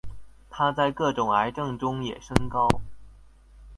它在各种癌症中也升高。